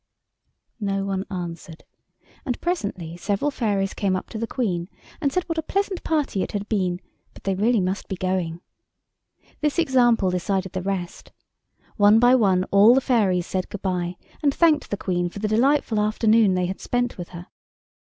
No one answered, and presently several fairies came up to the Queen and said what a pleasant party it had been, but they really must be going. This example decided the rest. One by one all the fairies said goodbye and thanked the Queen for the delightful afternoon they had spent with her.